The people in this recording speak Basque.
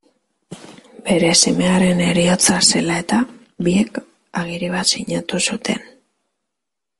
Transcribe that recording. Bere semearen heriotza zela eta, biek agiri bat sinatu zuten.